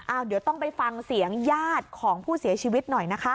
เดี๋ยวต้องไปฟังเสียงญาติของผู้เสียชีวิตหน่อยนะคะ